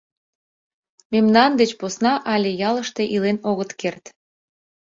Мемнан деч посна але ялыште илен огыт керт.